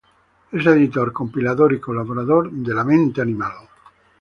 Es editor, compilador y colaborador de "La mente animal.